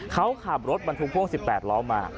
เขาขับรถบรรทุกพ่วง๑๘ล้อมา